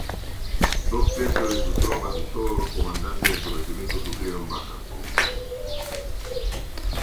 Dos tercios de sus tropas y todos los comandantes de su regimiento sufrieron baja.